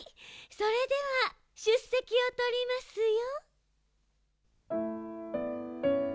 それではしゅっせきをとりますよ。